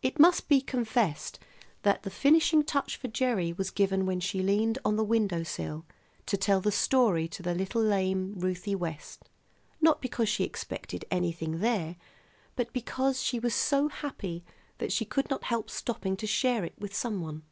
It must be confessed that the finishing touch for Gerry was given when she leaned on the window sill to tell the story to little lame Ruthie West, not because she expected anything there, but because she was so happy that she could not help stopping to share it with some one.